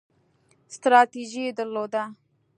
ستراتیژي یې درلوده.